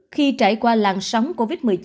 khi trải qua làng sóng covid một mươi chín